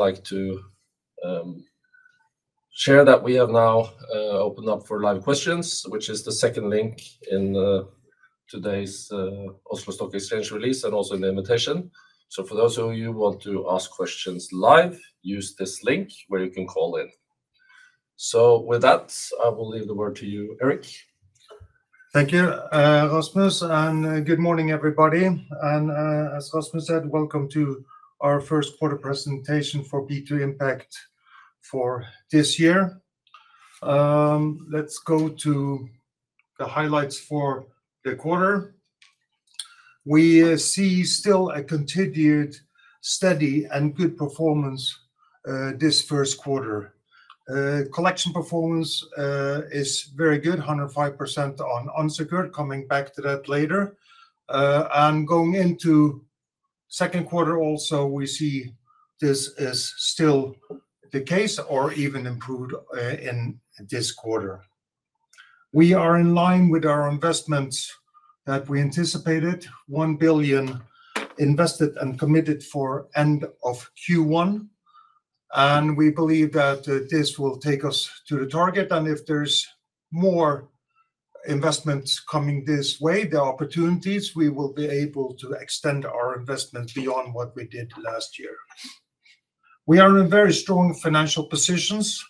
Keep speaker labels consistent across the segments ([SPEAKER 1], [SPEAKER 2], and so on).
[SPEAKER 1] I'd like to share that we have now opened up for live questions, which is the second link in today's Oslo Stock Exchange release, and also an invitation. So for those of you who want to ask questions live, use this link where you can call in. So with that, I will leave the word to you, Erik.
[SPEAKER 2] Thank you, Rasmus, and good morning, everybody. As Rasmus said, welcome to our first quarter presentation for B2 Impact for this year. Let's go to the highlights for the quarter. We see still a continued steady and good performance this first quarter. Collection performance is very good, 105% on unsecured, coming back to that later. And going into second quarter also, we see this is still the case or even improved in this quarter. We are in line with our investments that we anticipated, 1 billion invested and committed for end of Q1, and we believe that this will take us to the target. And if there's more investments coming this way, there are opportunities, we will be able to extend our investment beyond what we did last year. We are in very strong financial positions.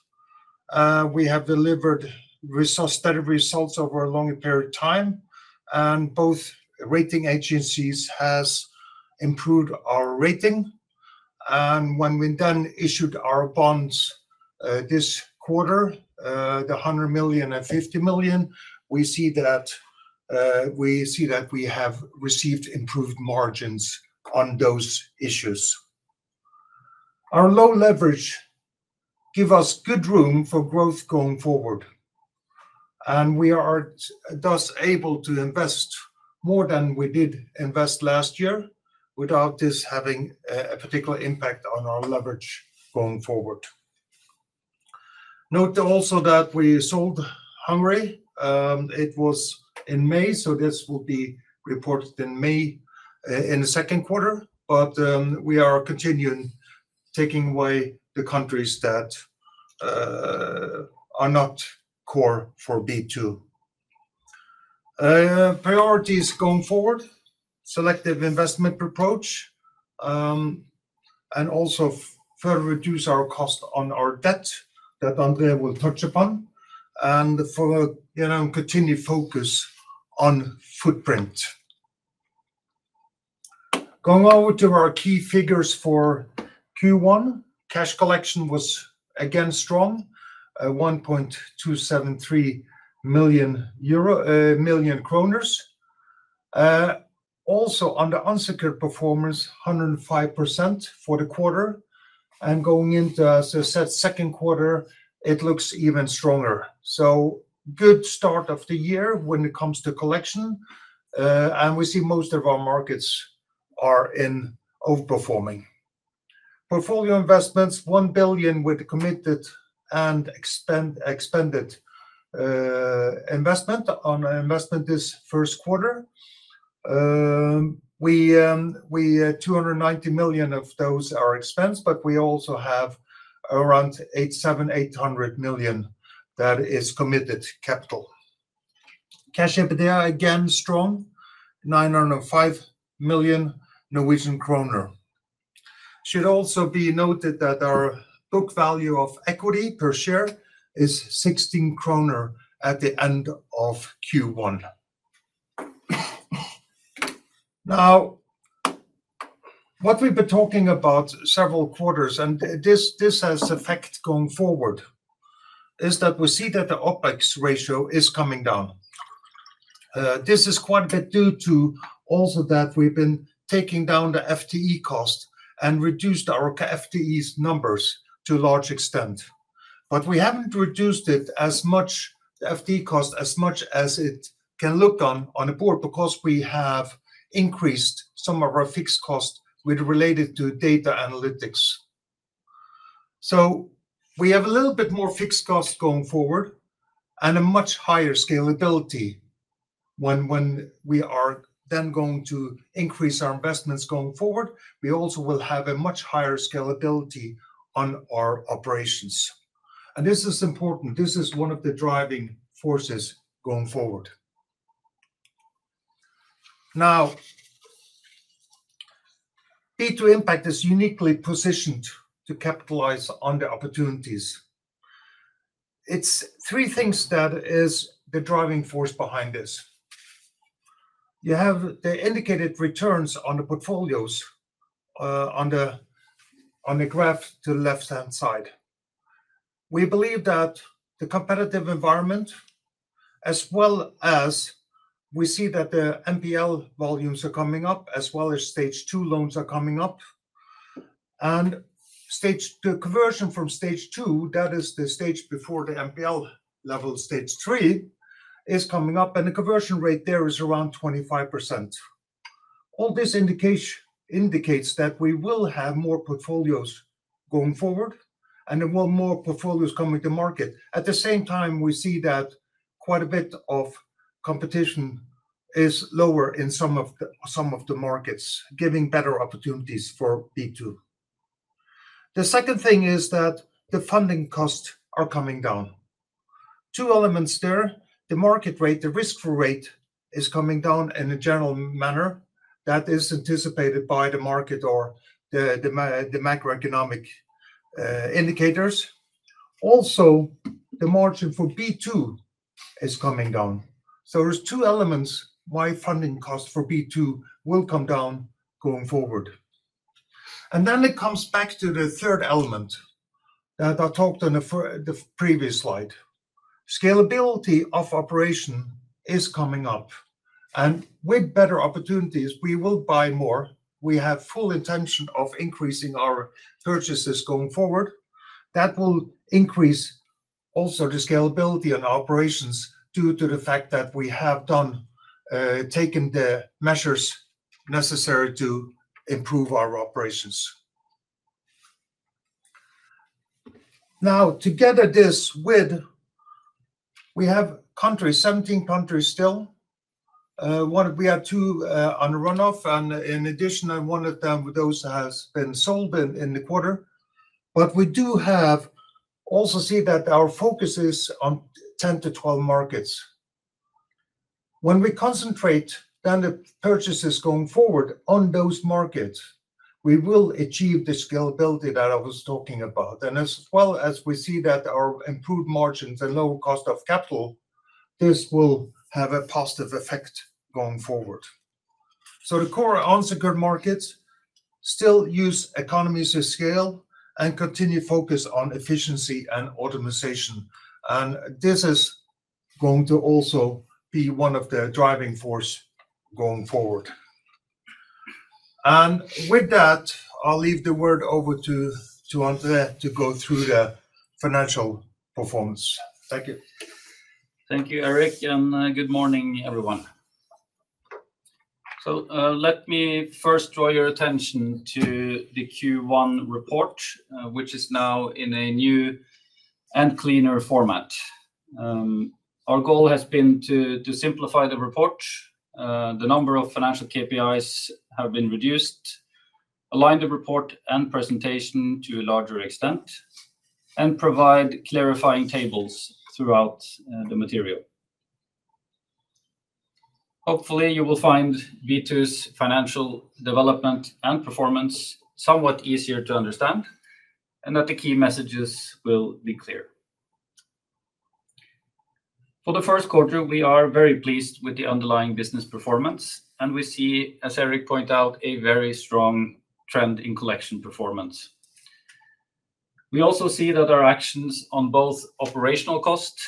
[SPEAKER 2] We have delivered steady results over a long period of time, and both rating agencies has improved our rating. And when we then issued our bonds this quarter, the 100 million and 50 million, we see that we see that we have received improved margins on those issues. Our low leverage give us good room for growth going forward, and we are thus able to invest more than we did invest last year, without this having a particular impact on our leverage going forward. Note also that we sold Hungary. It was in May, so this will be reported in May in the second quarter. But we are continuing taking away the countries that are not core for B2. Priorities going forward, selective investment approach, and also further reduce our cost on our debt, that André will touch upon, and, you know, continued focus on footprint. Going over to our key figures for Q1, cash collection was again strong, NOK 1.273 million. Also, on the unsecured performance, 105% for the quarter, and going into, as I said, second quarter, it looks even stronger. So good start of the year when it comes to collection, and we see most of our markets are overperforming. Portfolio investments, 1 billion with committed and expended investment on investment this first quarter. We, 290 million of those are expensed, but we also have around 800 million that is committed capital. Cash EBITDA, again, strong, NOK 905 million. Should also be noted that our book value of equity per share is 16 kroner at the end of Q1. Now, what we've been talking about several quarters, and this, this has effect going forward, is that we see that the OpEx ratio is coming down. This is quite a bit due to also that we've been taking down the FTE cost and reduced our FTEs numbers to a large extent. But we haven't reduced it as much, the FTE cost, as much as it can look on, on a board, because we have increased some of our fixed costs with related to data analytics. So we have a little bit more fixed cost going forward, and a much higher scalability. When we are then going to increase our investments going forward, we also will have a much higher scalability on our operations. This is important. This is one of the driving forces going forward. Now, B2 Impact is uniquely positioned to capitalize on the opportunities. It's three things that is the driving force behind this. You have the indicated returns on the portfolios, on the graph to the left-hand side. We believe that the competitive environment, as well as we see that the NPL volumes are coming up, as well as Stage Two loans are coming up. The conversion from Stage Two, that is the stage before the NPL level, Stage Three, is coming up, and the conversion rate there is around 25%. All this indicates that we will have more portfolios going forward, and there will more portfolios coming to market. At the same time, we see that quite a bit of competition is lower in some of the, some of the markets, giving better opportunities for B2. The second thing is that the funding costs are coming down. Two elements there, the market rate, the risk-free rate, is coming down in a general manner that is anticipated by the market or the macroeconomic indicators. Also, the margin for B2 is coming down. So there's two elements why funding costs for B2 will come down going forward. And then it comes back to the third element that I talked on the previous slide. Scalability of operation is coming up, and with better opportunities, we will buy more. We have full intention of increasing our purchases going forward. That will increase also the scalability and operations due to the fact that we have done, taken the measures necessary to improve our operations. Now, together this with, we have countries, 17 countries still. We had two, on runoff, and in addition, and one of them, those has been sold in the quarter. But we do have also see that our focus is on 10-12 markets. When we concentrate then the purchases going forward on those markets, we will achieve the scalability that I was talking about. And as well as we see that our improved margins and low cost of capital, this will have a positive effect going forward. So the core unsecured markets still use economies of scale and continue focus on efficiency and automation, and this is going to also be one of the driving force going forward. And with that, I'll leave the word over to André to go through the financial performance. Thank you.
[SPEAKER 3] Thank you, Erik, and good morning, everyone. Let me first draw your attention to the Q1 report, which is now in a new and cleaner format. Our goal has been to simplify the report. The number of financial KPIs have been reduced, align the report and presentation to a larger extent, and provide clarifying tables throughout, the material. Hopefully, you will find B2's financial development and performance somewhat easier to understand, and that the key messages will be clear. For the first quarter, we are very pleased with the underlying business performance, and we see, as Erik pointed out, a very strong trend in collection performance. We also see that our actions on both operational costs,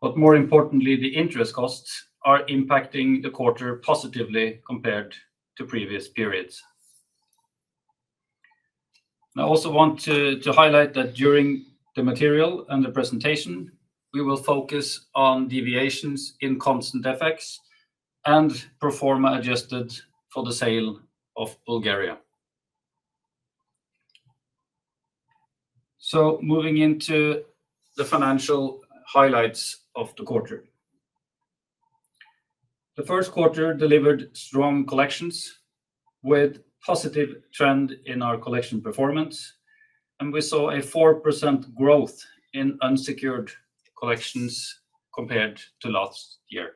[SPEAKER 3] but more importantly, the interest costs, are impacting the quarter positively compared to previous periods. I also want to highlight that during the material and the presentation, we will focus on deviations in constant FX and pro forma adjusted for the sale of Bulgaria. So moving into the financial highlights of the quarter. The first quarter delivered strong collections with positive trend in our collection performance, and we saw a 4% growth in unsecured collections compared to last year.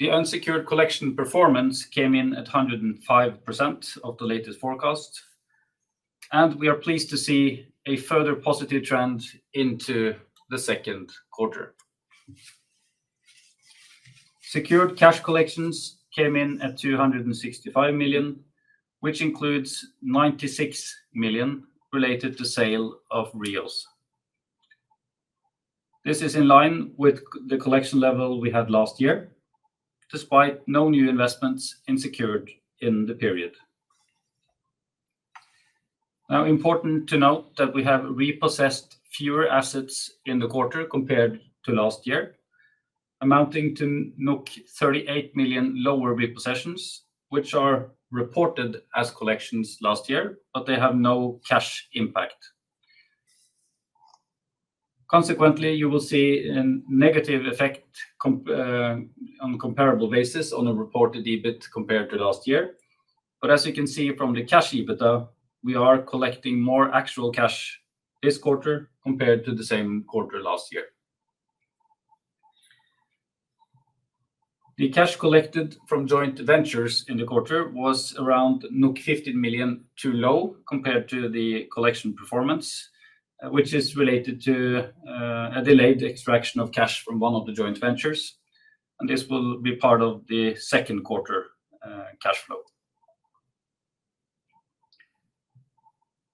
[SPEAKER 3] The unsecured collection performance came in at 105% of the latest forecast, and we are pleased to see a further positive trend into the second quarter. Secured cash collections came in at 265 million, which includes 96 million related to sale of REOs. This is in line with the collection level we had last year, despite no new investments in secured in the period. Now, important to note that we have repossessed fewer assets in the quarter compared to last year, amounting to 38 million lower repossessions, which are reported as collections last year, but they have no cash impact. Consequently, you will see a negative effect on comparable basis on a reported EBIT compared to last year. But as you can see from the Cash EBITDA, we are collecting more actual cash this quarter compared to the same quarter last year. The cash collected from joint ventures in the quarter was around 15 million too low compared to the collection performance, which is related to a delayed extraction of cash from one of the joint ventures, and this will be part of the second quarter cash flow.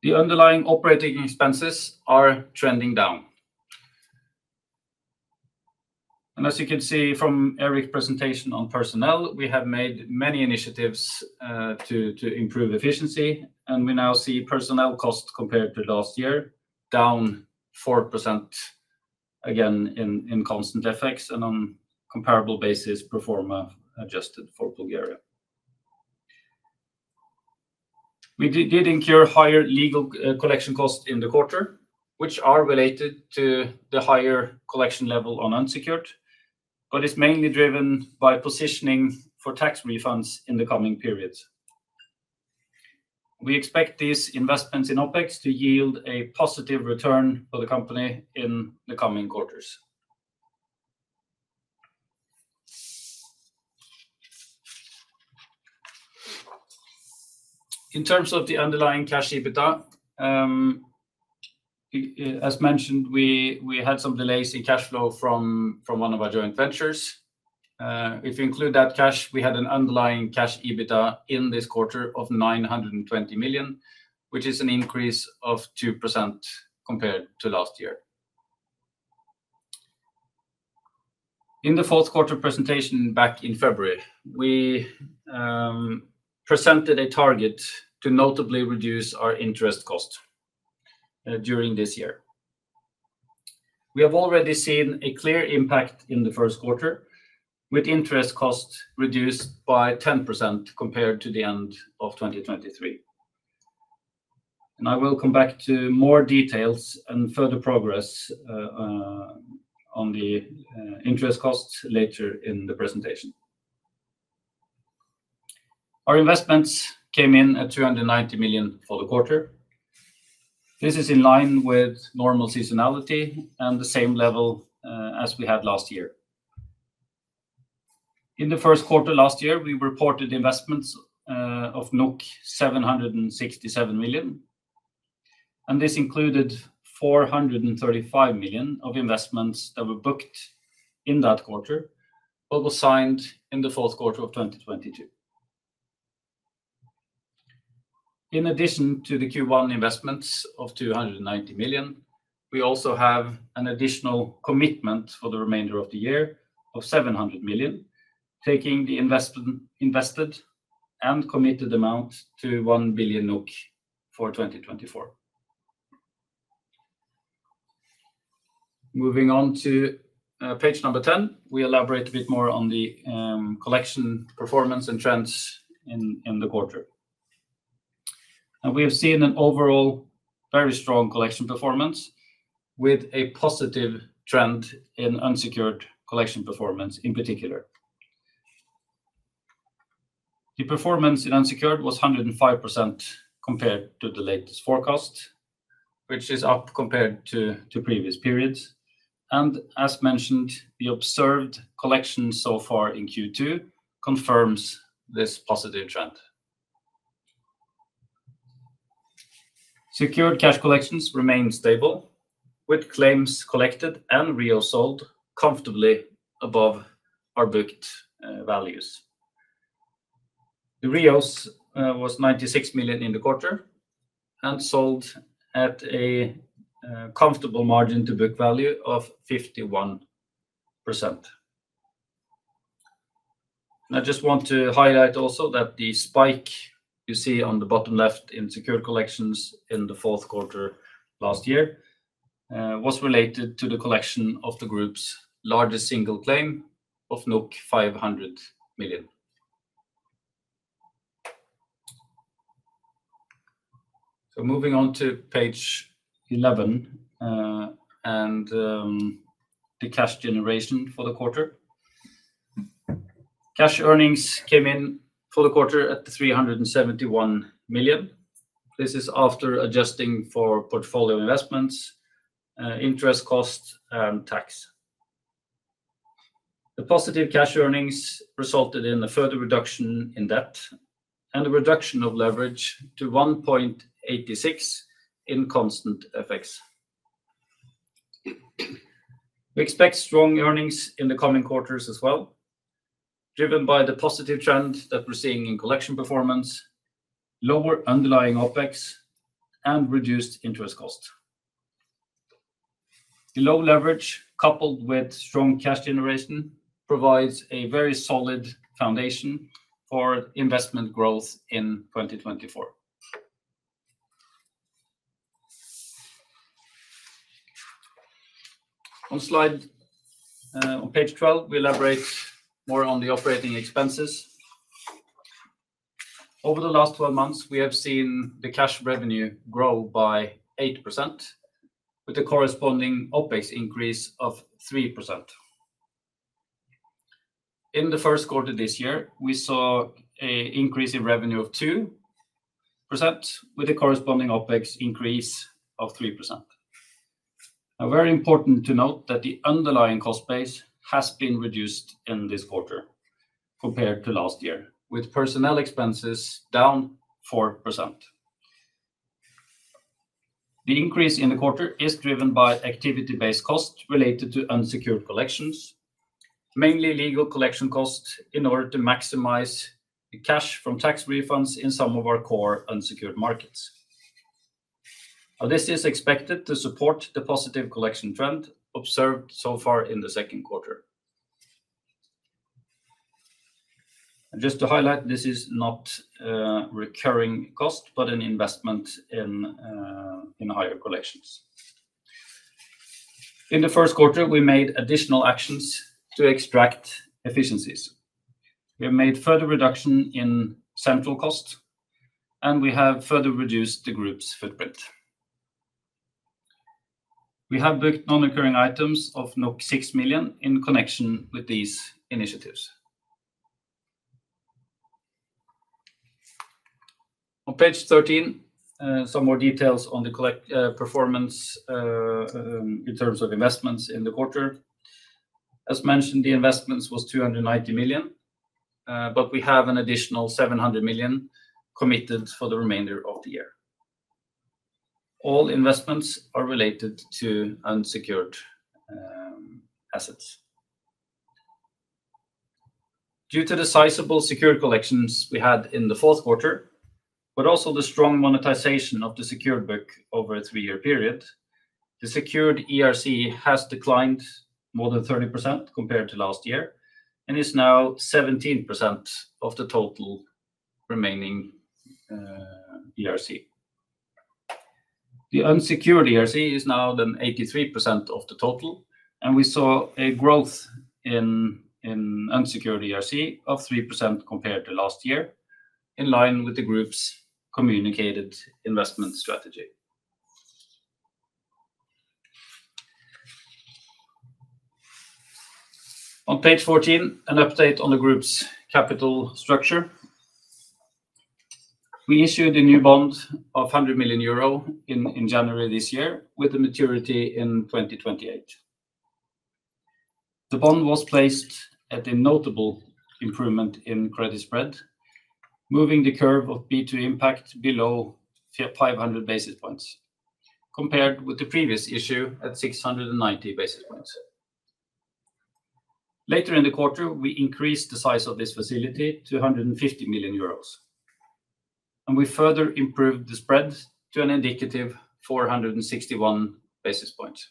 [SPEAKER 3] The underlying operating expenses are trending down. And as you can see from Erik's presentation on personnel, we have made many initiatives to improve efficiency, and we now see personnel costs compared to last year down 4%, again, in constant FX and on comparable basis pro forma adjusted for Bulgaria. We did incur higher legal collection costs in the quarter, which are related to the higher collection level on unsecured, but it's mainly driven by positioning for tax refunds in the coming periods. We expect these investments in OpEx to yield a positive return for the company in the coming quarters. In terms of the underlying cash EBITDA, as mentioned, we had some delays in cash flow from one of our joint ventures. If you include that cash, we had an underlying cash EBITDA in this quarter of 920 million, which is an increase of 2% compared to last year. In the fourth quarter presentation back in February, we presented a target to notably reduce our interest cost during this year. We have already seen a clear impact in the first quarter, with interest costs reduced by 10% compared to the end of 2023, and I will come back to more details and further progress on the interest costs later in the presentation. Our investments came in at 290 million for the quarter. This is in line with normal seasonality and the same level as we had last year. In the first quarter last year, we reported investments of 767 million, and this included 435 million of investments that were booked in that quarter but were signed in the fourth quarter of 2022. In addition to the Q1 investments of 290 million, we also have an additional commitment for the remainder of the year of 700 million, taking the invested and committed amount to 1 billion NOK for 2024. Moving on to page 10, we elaborate a bit more on the collection performance and trends in the quarter. We have seen an overall very strong collection performance, with a positive trend in unsecured collection performance, in particular. The performance in unsecured was 105% compared to the latest forecast, which is up compared to previous periods, and as mentioned, the observed collection so far in Q2 confirms this positive trend. Secured cash collections remain stable, with claims collected and REO sold comfortably above our booked values. The REOs was 96 million in the quarter and sold at a comfortable margin to book value of 51%. I just want to highlight also that the spike you see on the bottom left in secured collections in the fourth quarter last year was related to the collection of the group's largest single claim of 500 million. Moving on to page eleven and the cash generation for the quarter. Cash earnings came in for the quarter at 371 million. This is after adjusting for portfolio investments, interest costs, and tax. The positive cash earnings resulted in a further reduction in debt and a reduction of leverage to 1.86 in constant FX. We expect strong earnings in the coming quarters as well, driven by the positive trend that we're seeing in collection performance, lower underlying OpEx, and reduced interest costs. The low leverage, coupled with strong cash generation, provides a very solid foundation for investment growth in 2024. On slide, on page 12, we elaborate more on the operating expenses. Over the last 12 months, we have seen the cash revenue grow by 8%, with a corresponding OpEx increase of 3%. In the first quarter this year, we saw an increase in revenue of 2%, with a corresponding OpEx increase of 3%. Now, very important to note that the underlying cost base has been reduced in this quarter compared to last year, with personnel expenses down 4%. The increase in the quarter is driven by activity-based costs related to unsecured collections, mainly legal collection costs, in order to maximize the cash from tax refunds in some of our core unsecured markets. Now, this is expected to support the positive collection trend observed so far in the second quarter. And just to highlight, this is not a recurring cost, but an investment in higher collections. In the first quarter, we made additional actions to extract efficiencies. We have made further reduction in central cost, and we have further reduced the group's footprint. We have booked non-recurring items of 6 million in connection with these initiatives. On page 13, some more details on the collection performance in terms of investments in the quarter. As mentioned, the investments was 290 million, but we have an additional 700 million committed for the remainder of the year. All investments are related to unsecured assets. Due to the sizable secured collections we had in the fourth quarter, but also the strong monetization of the secured book over a 3-year period, the secured ERC has declined more than 30% compared to last year, and is now 17% of the total remaining ERC. The unsecured ERC is now then 83% of the total, and we saw a growth in unsecured ERC of 3% compared to last year, in line with the group's communicated investment strategy. On page 14, an update on the group's capital structure. We issued a new bond of 100 million euro in January this year, with a maturity in 2028. The bond was placed at a notable improvement in credit spread, moving the curve of B2 Impact below five hundred basis points, compared with the previous issue at six hundred and ninety basis points. Later in the quarter, we increased the size of this facility to 150 million euros, and we further improved the spread to an indicative four hundred and sixty-one basis points.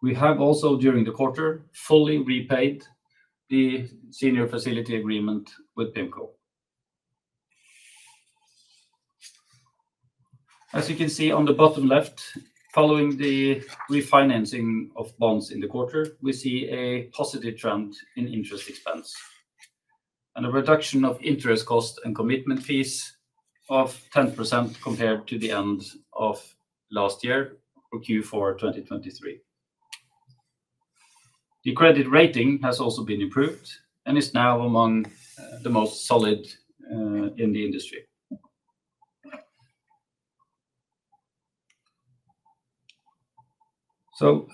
[SPEAKER 3] We have also, during the quarter, fully repaid the senior facility agreement with PIMCO. As you can see on the bottom left, following the refinancing of bonds in the quarter, we see a positive trend in interest expense, and a reduction of interest cost and commitment fees of 10% compared to the end of last year, or Q4 2023. The credit rating has also been improved and is now among the most solid in the industry. So,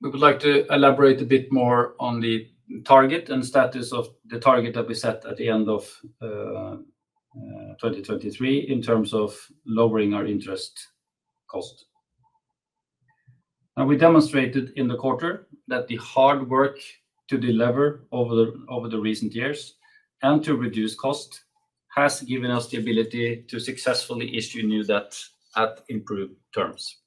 [SPEAKER 3] we would like to elaborate a bit more on the target and status of the target that we set at the end of 2023, in terms of lowering our interest cost. Now, we demonstrated in the quarter that the hard work to delever over the recent years, and to reduce cost, has given us the ability to successfully issue new debt at improved terms.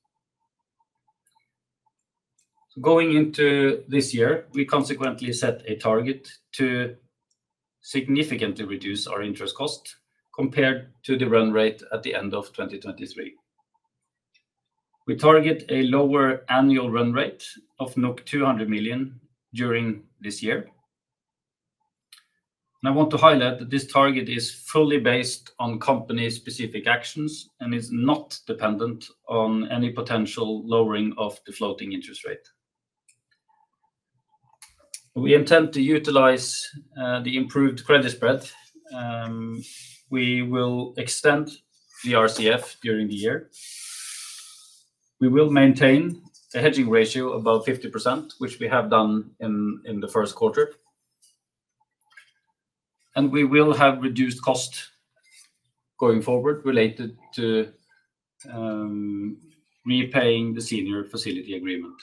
[SPEAKER 3] Going into this year, we consequently set a target to significantly reduce our interest cost compared to the run rate at the end of 2023. We target a lower annual run rate of 200 million during this year. I want to highlight that this target is fully based on company-specific actions and is not dependent on any potential lowering of the floating interest rate. We intend to utilize the improved credit spread. We will extend the RCF during the year. We will maintain a hedging ratio above 50%, which we have done in the first quarter. And we will have reduced cost going forward related to repaying the Senior Facility Agreement.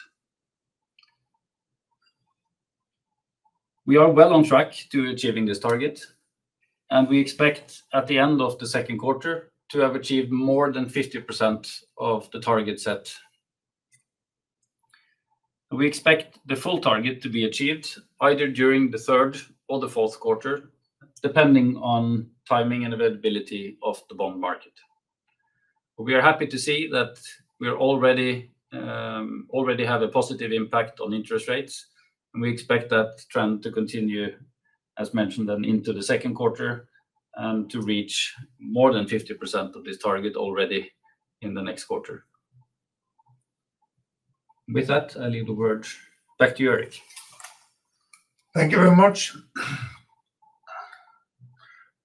[SPEAKER 3] We are well on track to achieving this target, and we expect at the end of the second quarter to have achieved more than 50% of the target set. We expect the full target to be achieved either during the third or the fourth quarter, depending on timing and availability of the bond market. We are happy to see that we already have a positive impact on interest rates, and we expect that trend to continue, as mentioned, then into the second quarter, and to reach more than 50% of this target already in the next quarter. With that, I leave the word back to you, Erik.
[SPEAKER 2] Thank you very much.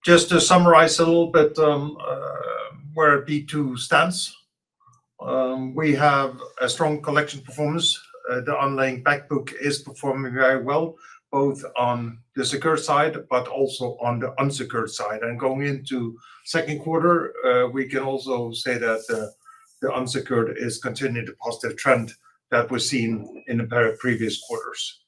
[SPEAKER 2] Just to summarize a little bit, where B2 stands. We have a strong collection performance. The underlying back book is performing very well, both on the secured side, but also on the unsecured side. Going into second quarter, we can also say that the unsecured is continuing the positive trend that we've seen in the previous quarters.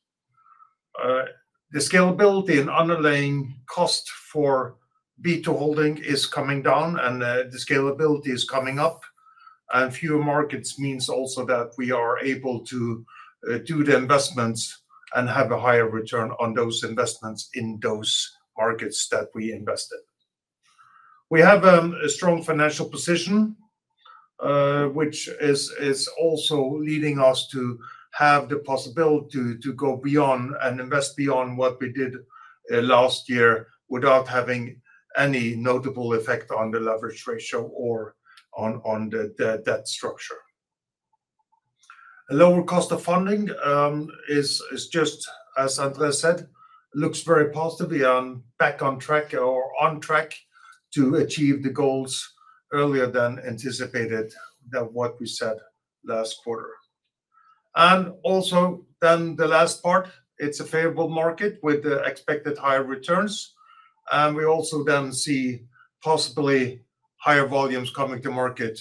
[SPEAKER 2] The scalability and underlying cost for B2 holding is coming down and the scalability is coming up. Fewer markets means also that we are able to do the investments and have a higher return on those investments in those markets that we invest in. We have a strong financial position, which is also leading us to have the possibility to go beyond and invest beyond what we did last year without having any notable effect on the leverage ratio or on the debt structure. A lower cost of funding is just as André has said, looks very positively on back on track or on track to achieve the goals earlier than anticipated than what we said last quarter. And also, then the last part, it's a favorable market with the expected higher returns, and we also then see possibly higher volumes coming to market.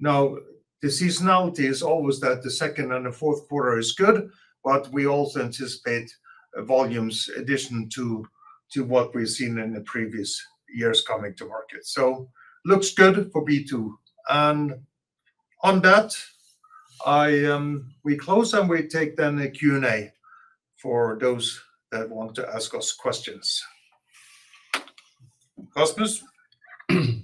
[SPEAKER 2] Now, the seasonality is always that the second and the fourth quarter is good, but we also anticipate volumes addition to what we've seen in the previous years coming to market. So looks good for B2. On that, we close and we take then a Q&A for those that want to ask us questions. Rasmus?
[SPEAKER 1] Thank you, André-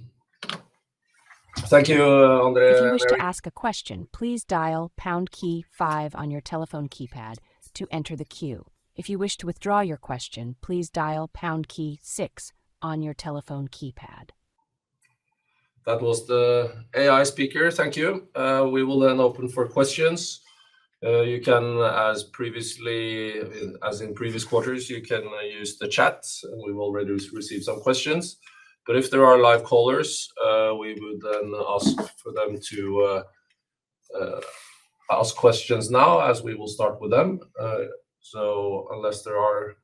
[SPEAKER 4] If you wish to ask a question, please dial pound key five on your telephone keypad to enter the queue. If you wish to withdraw your question, please dial pound key six on your telephone keypad.
[SPEAKER 1] That was the AI speaker. Thank you. We will then open for questions. You can, as previously, as in previous quarters, you can use the chat, and we've already received some questions. But if there are live callers, we would then ask for them to ask questions now as we will start with them. So unless there are...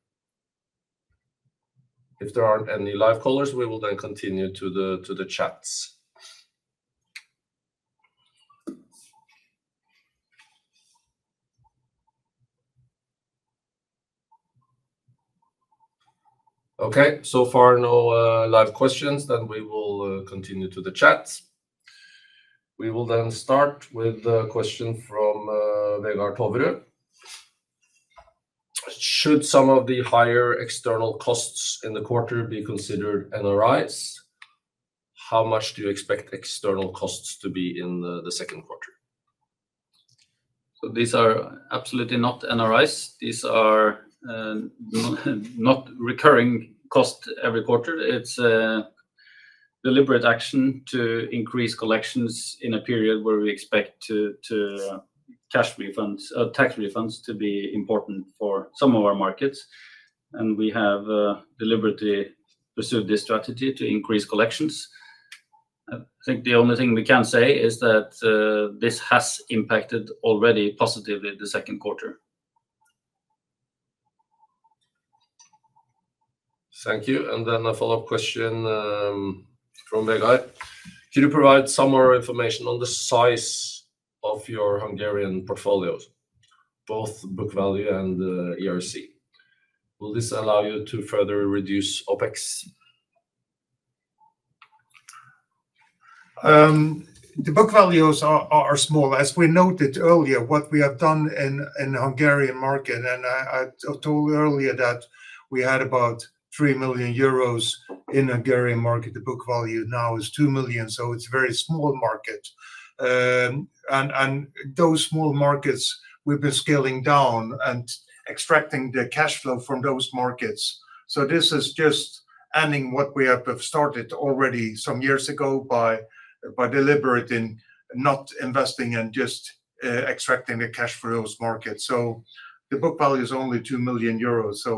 [SPEAKER 1] If there aren't any live callers, we will then continue to the chats. Okay, so far, no live questions, then we will continue to the chats. We will then start with a question from Vegard Toverud: "Should some of the higher external costs in the quarter be considered NRIs? How much do you expect external costs to be in the second quarter?
[SPEAKER 3] These are absolutely not NRIs. These are not recurring cost every quarter. It's a deliberate action to increase collections in a period where we expect to cash refunds, tax refunds to be important for some of our markets, and we have deliberately pursued this strategy to increase collections. I think the only thing we can say is that this has impacted already positively the second quarter.
[SPEAKER 1] Thank you. And then a follow-up question, from Vegard: "Can you provide some more information on the size of your Hungarian portfolios, both book value and, ERC? Will this allow you to further reduce OpEx?
[SPEAKER 2] The book values are small. As we noted earlier, what we have done in the Hungarian market, and I told you earlier that we had about 3 million euros in Hungarian market. The book value now is 2 million, so it's a very small market. And those small markets, we've been scaling down and extracting the cash flow from those markets. So this is just ending what we have started already some years ago by deliberating, not investing and just extracting the cash for those markets. So the book value is only 2 million euros, so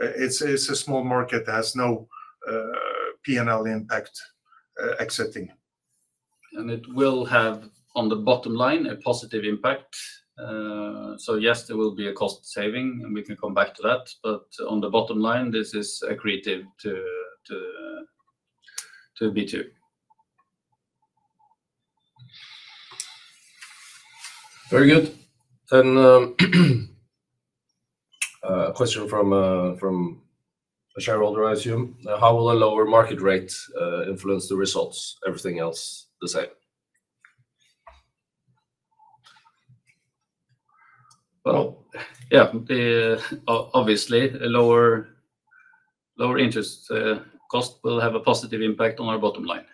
[SPEAKER 2] it's a small market that has no P&L impact, exiting.
[SPEAKER 3] It will have, on the bottom line, a positive impact. So yes, there will be a cost saving, and we can come back to that, but on the bottom line, this is accretive to B2.
[SPEAKER 1] Very good. Then, a question from a shareholder, I assume: "How will a lower market rate influence the results? Everything else the same.
[SPEAKER 3] Well, yeah, obviously, a lower interest cost will have a positive impact on our bottom line.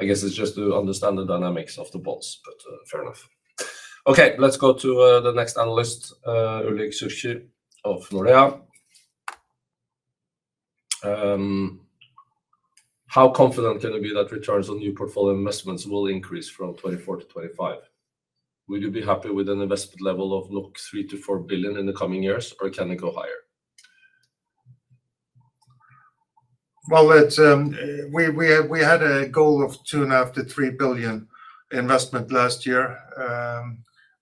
[SPEAKER 1] I guess it's just to understand the dynamics of the bonds, but, fair enough. Okay, let's go to, the next analyst, Ulrik Zürcher of Nordea. "How confident can you be that returns on new portfolio investments will increase from 2024 to 2025? Would you be happy with an investment level of 3 billion-4 billion in the coming years, or can it go higher?
[SPEAKER 2] Well, it's. We had a goal of 2.5 billion-3 billion investment last year.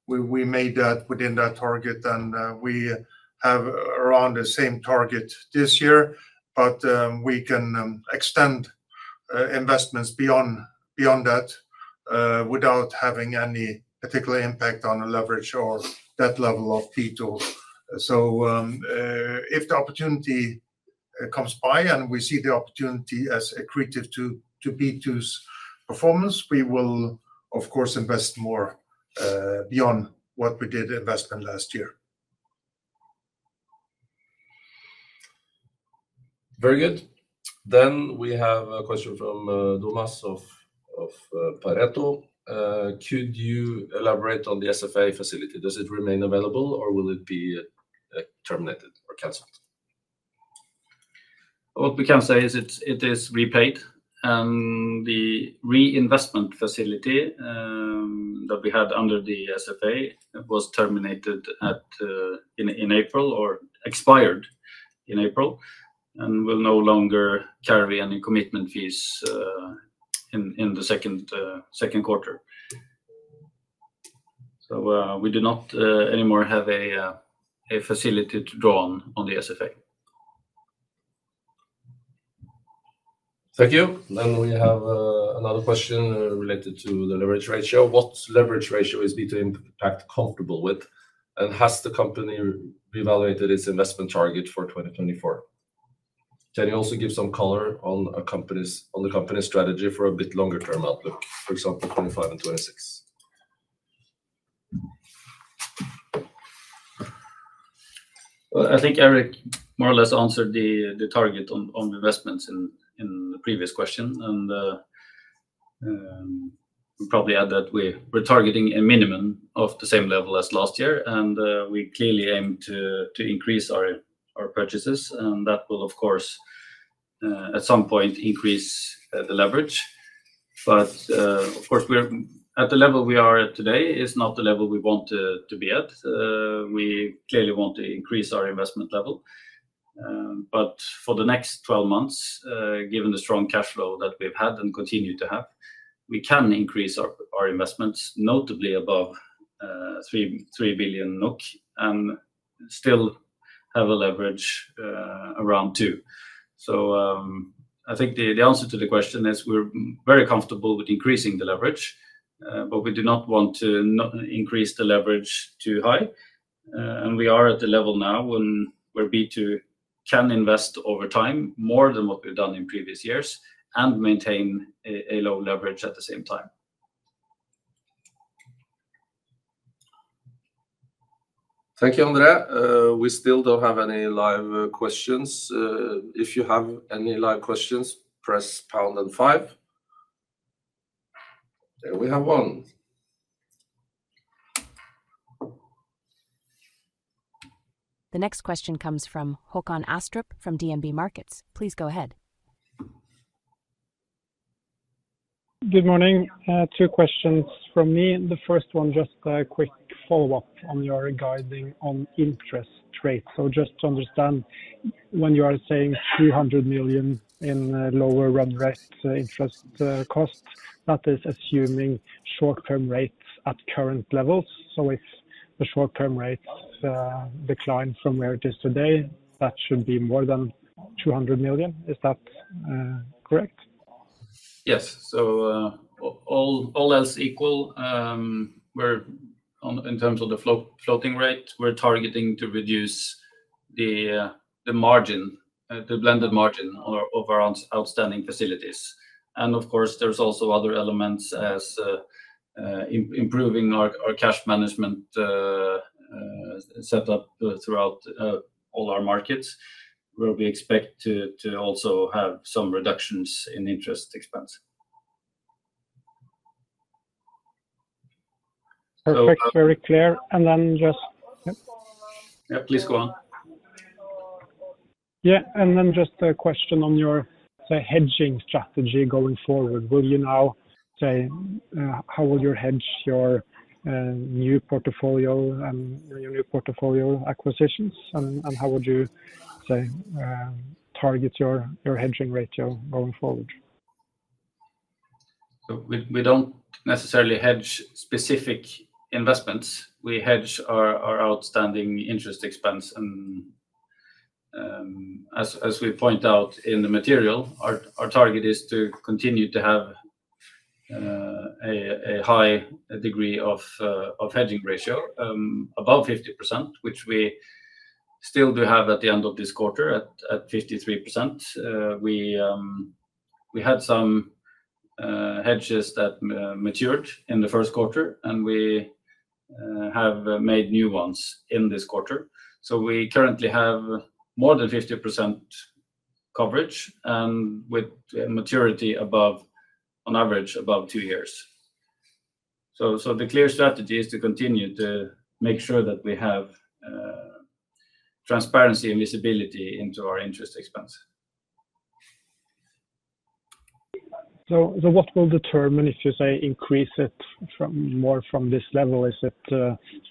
[SPEAKER 2] We made that within that target, and we have around the same target this year. But we can extend investments beyond that without having any particular impact on the leverage or debt level of B2. So, if the opportunity comes by and we see the opportunity as accretive to B2's performance, we will, of course, invest more beyond what we did investment last year....
[SPEAKER 1] Very good. Then we have a question from Thomas of Pareto. Could you elaborate on the SFA facility? Does it remain available, or will it be terminated or canceled?
[SPEAKER 3] What we can say is it's, it is repaid, and the reinvestment facility that we had under the SFA was terminated in April, or expired in April, and will no longer carry any commitment fees in the second quarter. So, we do not anymore have a facility to draw on the SFA.
[SPEAKER 1] Thank you. Then we have another question related to the leverage ratio. What leverage ratio is B2 Impact comfortable with, and has the company reevaluated its investment target for 2024? Can you also give some color on the company's strategy for a bit longer term outlook, for example, 2025 and 2026?
[SPEAKER 3] Well, I think Erik more or less answered the target on investments in the previous question. And we probably add that we're targeting a minimum of the same level as last year, and we clearly aim to increase our purchases, and that will, of course, at some point increase the leverage. But of course, we're at the level we are at today is not the level we want to be at. We clearly want to increase our investment level. But for the next 12 months, given the strong cash flow that we've had, and continue to have, we can increase our investments, notably above 3 billion NOK, and still have a leverage around 2. So, I think the answer to the question is we're very comfortable with increasing the leverage, but we do not want to not increase the leverage too high. And we are at the level now where B2 can invest over time, more than what we've done in previous years, and maintain a low leverage at the same time.
[SPEAKER 1] Thank you, André. We still don't have any live questions. If you have any live questions, press pound and five. There we have one.
[SPEAKER 4] The next question comes from Håkon Astrup from DNB Markets. Please go ahead.
[SPEAKER 5] Good morning. Two questions from me. The first one, just a quick follow-up on your guiding on interest rates. So just to understand, when you are saying 200 million in lower run rate interest, cost, that is assuming short-term rates at current levels. So if the short-term rates, decline from where it is today, that should be more than 200 million, is that, correct?
[SPEAKER 3] Yes. So, all else equal, we're in terms of the floating rate, we're targeting to reduce the margin, the blended margin of our outstanding facilities. And of course, there's also other elements as improving our cash management setup throughout all our markets, where we expect to also have some reductions in interest expense.
[SPEAKER 5] Perfect.
[SPEAKER 3] So-
[SPEAKER 5] Very clear. And then just... Yep.
[SPEAKER 3] Yeah, please go on.
[SPEAKER 5] Yeah, then just a question on your, say, hedging strategy going forward. Will you now say how will you hedge your new portfolio and your new portfolio acquisitions? And how would you, say, target your hedging ratio going forward?
[SPEAKER 3] So we don't necessarily hedge specific investments. We hedge our outstanding interest expense. As we point out in the material, our target is to continue to have a high degree of hedging ratio above 50%, which we still do have at the end of this quarter at 53%. We had some hedges that matured in the first quarter, and we have made new ones in this quarter. So we currently have more than 50% coverage with maturity above, on average, above two years. So the clear strategy is to continue to make sure that we have transparency and visibility into our interest expense.
[SPEAKER 5] So what will determine if you, say, increase it from more from this level? Is it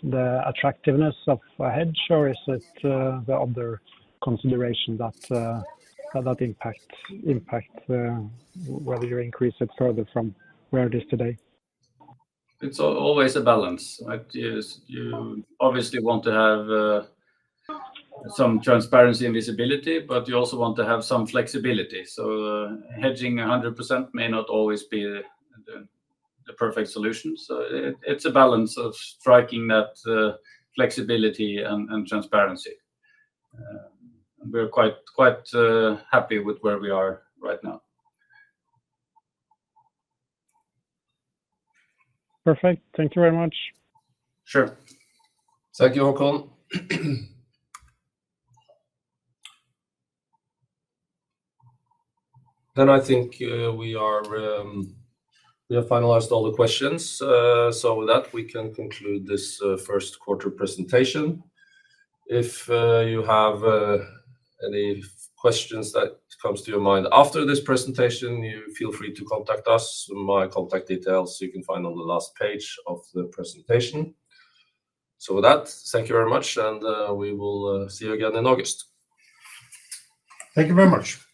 [SPEAKER 5] the attractiveness of a hedge, or is it the other consideration that impacts whether you increase it further from where it is today?
[SPEAKER 3] It's always a balance, right? You just, you obviously want to have some transparency and visibility, but you also want to have some flexibility. So hedging 100% may not always be the perfect solution. So it's a balance of striking that flexibility and transparency. We're quite happy with where we are right now.
[SPEAKER 5] Perfect. Thank you very much.
[SPEAKER 3] Sure.
[SPEAKER 1] Thank you, Håkon. Then I think we are, we have finalized all the questions. So with that, we can conclude this first quarter presentation. If you have any questions that comes to your mind after this presentation, you feel free to contact us. My contact details you can find on the last page of the presentation. So with that, thank you very much, and we will see you again in August.
[SPEAKER 2] Thank you very much.